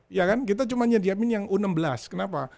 iya kan kita cuma nyediamin yang u enam belas kenapa